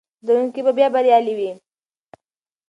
زده کوونکي به بریالي وي.